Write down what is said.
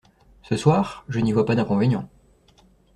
Ce soir ? Je n'y vois pas d'inconvénient.